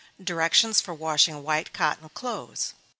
_Directions for Washing White Cotton Clothes.